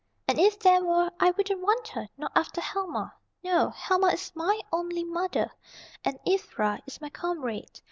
And if there were I wouldn't want her, not after Helma! No, Helma is my only mother, and Ivra is my comrade.